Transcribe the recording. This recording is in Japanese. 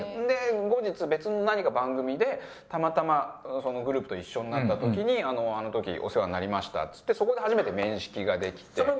で後日別の何か番組でたまたまそのグループと一緒になった時にあの時お世話になりましたっつってそこで初めて面識ができて。